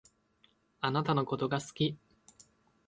あなたのことが好き